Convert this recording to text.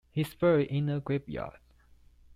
He is buried in the graveyard.